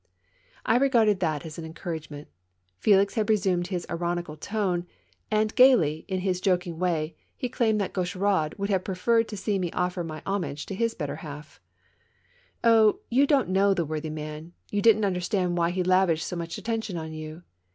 I regarded that as an encouragement. Felix had resumed his ironical tone; and, gayly, in his joking way, he claimed that Gaucheraud would have preferred to see me offer my homage to his better half. SALON AND THEATRE. 89 " Oh ! you don't know the worth}?' man ! You didn't understand why he lavished so much attention on you.